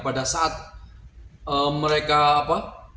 pada saat mereka apa